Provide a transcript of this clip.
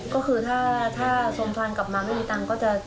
ก็คือถ้าสมทานกลับมาไม่มีตังค์ก็จะ